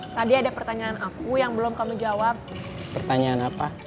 tadi ada pertanyaan aku yang belum kami jawab pertanyaan apa